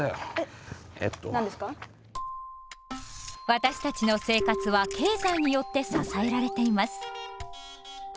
私たちの生活は経済によって支えられています。